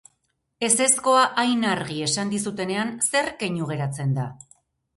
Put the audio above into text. Ezezkoa hain argi esan dizutenean, zer keinu geratzen da?